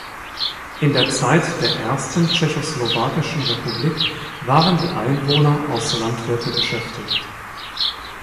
In der Zeit der ersten tschechoslowakischen Republik waren die Einwohner aus Landwirte beschäftigt.